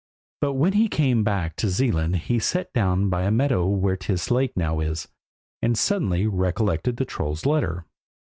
But when he was come back to Zealand he sat down by the meadow where Tiis lake now is, and suddenly recollected the troll's letter.